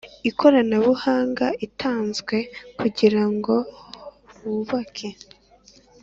ikoranabuhanga itanzwe kugira ngo bubake